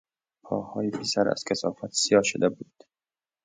پاهای پسر از کثافت سیاه شده بود.